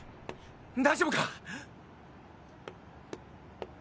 大丈夫か？